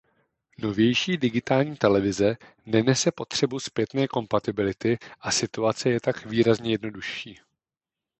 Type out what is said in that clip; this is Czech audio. Novější digitální televize nenese potřebu zpětné kompatibility a situace je tak výrazně jednodušší.